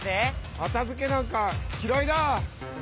かたづけなんかきらいだ！